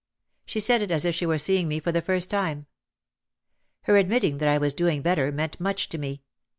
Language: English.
She said it as if she were seeing me for the first time. Her admitting that I was doing better meant much to me.